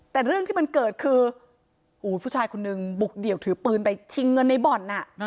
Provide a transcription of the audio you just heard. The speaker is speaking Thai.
แต่เรื่องที่มันเกิดคือผู้ชายคนนึงบุกเดี่ยวถือปืนไปชิงเงินในบ่อน